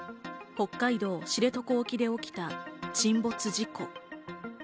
北海道知床沖で起きた沈没事故。